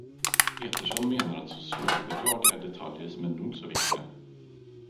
Peterson menar att socialbidrag är detaljer som är nog så viktiga.